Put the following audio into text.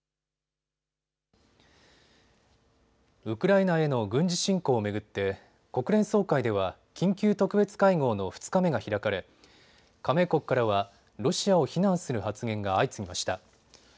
ウクライナへの軍事侵攻を巡って国連総会では緊急特別会合の２日目が開かれ加盟国からはロシアを非難する発言が相次ぎました。